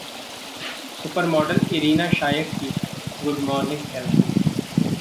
supermodel Irina Shayk की 'good morning' selfie